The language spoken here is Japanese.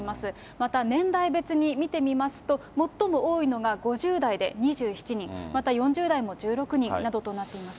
また年代別に見てみますと、最も多いのが５０代で２７人、また４０代も１６人などとなっています。